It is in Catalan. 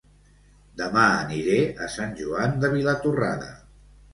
Dema aniré a Sant Joan de Vilatorrada